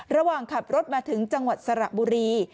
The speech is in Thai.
ระหว่างขับรถมาถึงจังหวัดสระบุรี